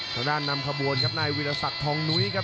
ทางด้านนำขบวนครับนายวิรสักทองนุ้ยครับ